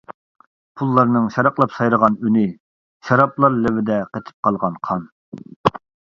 پۇللارنىڭ شاراقلاپ سايرىغان ئۈنى، شارابلار لېۋىدە قېتىپ قالغان قان.